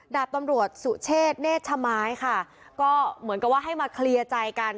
ดาบตำรวจสุเชษเนชไม้ค่ะก็เหมือนกับว่าให้มาเคลียร์ใจกัน